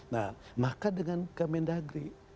nah maka dengan kemendagri